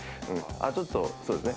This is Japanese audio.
ちょっとそうですね。